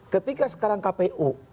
ketika sekarang kpu